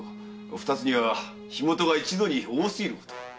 二つには火元が一度に多すぎること。